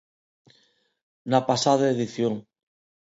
Na pasada edición.